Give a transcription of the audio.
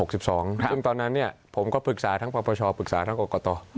ซึ่งตอนนั้นผมก็ปรึกษาทั้งพประชาปรึกษาทั้งโอกาสต่อ